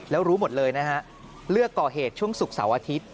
แล้วรู้หมดเลยนะฮะเลือกก่อเหตุช่วงศุกร์เสาร์อาทิตย์